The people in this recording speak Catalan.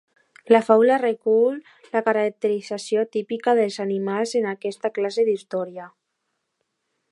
La faula recull la caracterització típica dels animals en aquesta classe d'història.